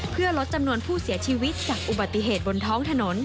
เพื่อลดจำนวนผู้เสียชีวิตจากอุบัติเหตุบนท้องถนน